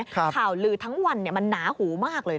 ข่าวลือทั้งวันมันหนาหูมากเลย